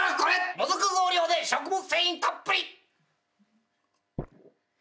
もずく増量で食物繊維たっぷり」